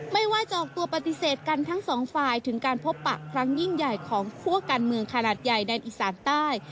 ไม่ว่าจะออกตัวปฏิเสธกันทั้งสองฝ่ายถึงการพบปะครั้งยิ่งใหญ่ของคั่วการเมืองขนาดใหญ่แดนอีสานใต้